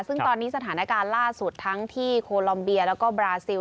ซึ่งตอนนี้สถานการณ์ล่าสุดทั้งที่โคลอมเบียแล้วก็บราซิล